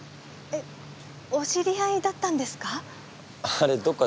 お知り合いだったんですか？